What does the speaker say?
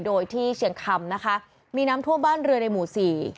โดยที่เชียงคำนะคะมีน้ำทั่วบ้านเรือในหมู่สี่